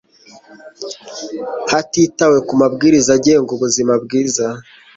hatitawe ku mabwiriza agenga ubuzima bwiza